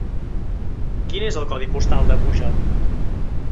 Quin és el codi postal de Búger?